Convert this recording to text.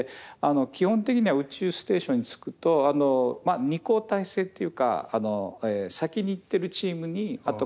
基本的には宇宙ステーションに着くと２交代制というか先に行っているチームに後から合流すると。